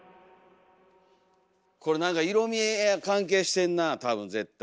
これ何か色味が関係してんなあ多分絶対。